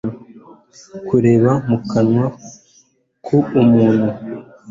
kubera mu kanwa k'umuntu